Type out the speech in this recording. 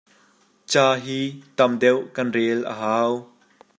Ca hi tam deuh kan rel a hau.